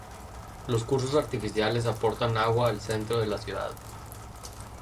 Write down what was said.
Los cursos artificiales aportan agua al centro de la ciudad.